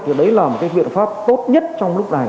thì đấy là một cái biện pháp tốt nhất trong lúc này